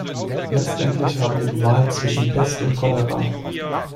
Letztendlich haben wir die Wahl zwischen Pest und Cholera.